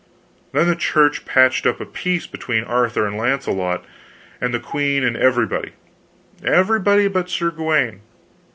Then the Church patched up a peace between Arthur and Launcelot and the queen and everybody everybody but Sir Gawaine.